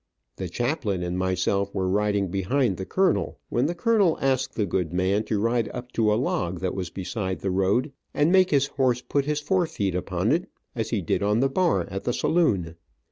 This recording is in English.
The chaplain and myself were riding behind the colonel, when the colonel asked the good man to ride up to a log that was beside the road, and make his horse put his forefeet upon it, as he did on the bar in the saloon.